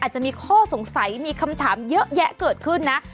อาจจะมีข้อสงสัยมีคำถามเยอะแยะเกิดขึ้นนะ